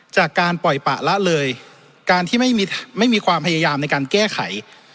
จากการปล่อยปะละเลยการที่ไม่มีความพยายามในการแก้ไข